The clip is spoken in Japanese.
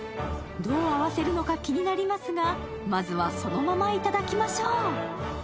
どう合わせるのか気になりますがまずは、そのまま頂きましょう。